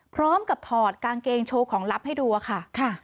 พร้อมกับถอดกางเกงโชว์ของลับให้ดูอะค่ะ